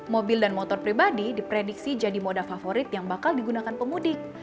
mobil dan motor pribadi diprediksi jadi moda favorit yang bakal digunakan pemudik